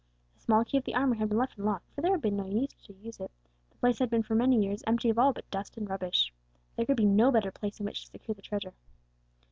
The small key of the armoury had been left in the lock, for there had been no need to use it, the place had been for many years empty of all but dust and rubbish. There could be no better place in which to secure the treasure.